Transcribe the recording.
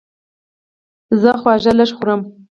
زه خواږه لږ خورم.